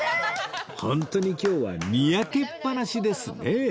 本当に今日はにやけっぱなしですね